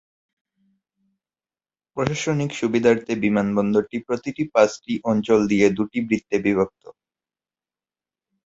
প্রশাসনিক সুবিধার্থে বিমানবন্দরটি প্রতিটি পাঁচটি অঞ্চল নিয়ে দুটি বৃত্তে বিভক্ত।